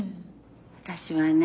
私はね